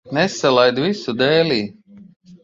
Nesalaid visu dēlī.